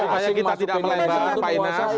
supaya kita tidak melebar pak inas